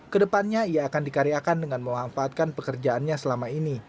kedepannya ia akan dikaryakan dengan memanfaatkan pekerjaannya selama ini